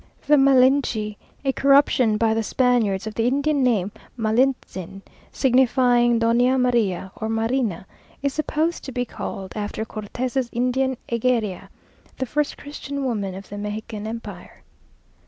The Malinchi, a corruption by the Spaniards of the Indian name Malintzin, signifying Doña María or Marina, is supposed to be called after Cortes's Indian Egería, the first Christian woman of the Mexican empire.